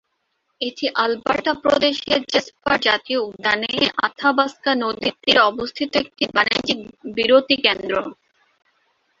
এটি আলবার্টা প্রদেশের জেসপার জাতীয় উদ্যানে, আথাবাস্কা নদীর তীরে অবস্থিত একটি বাণিজ্যিক বিরতি কেন্দ্র।